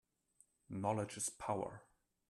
Knowledge is power.